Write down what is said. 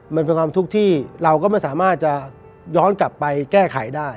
มันเป็นความทุกข์ที่เราก็ไม่สามารถจะย้อนกลับไปแก้ไขได้